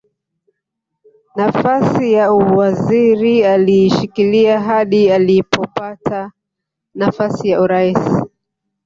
Nafasi ya uwaziri aliishikilia hadi alipopata nafasi ya urais